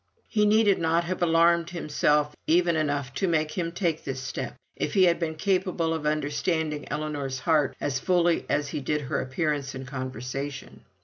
He needed not have alarmed himself even enough to make him take this step, if he had been capable of understanding Ellinor's heart as fully as he did her appearance and conversation.